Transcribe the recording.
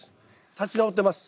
立ち直ってます。